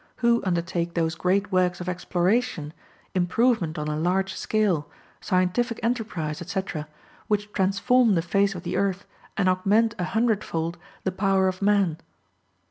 Who undertake those great works of exploration, improvement on a large scale, scientific enterprise, etc., which transform the face of the earth and augment a hundredfold the power of man?